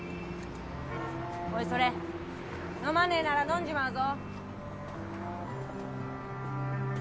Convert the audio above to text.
おいそれ飲まねえなら飲んじまうぞ。